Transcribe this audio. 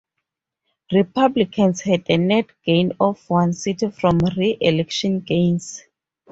Republicans had a net gain of one seat from re-election gains.